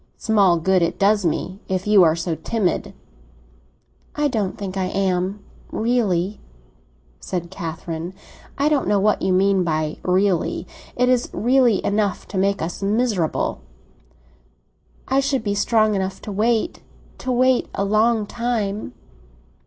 "Small good it does me, if you are so timid." "I don't think that I am—really," said Catherine. "I don't know what you mean by 'really.' It is really enough to make us miserable." "I should be strong enough to wait—to wait a long time."